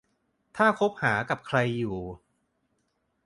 ถ้าคบหากับใครอยู่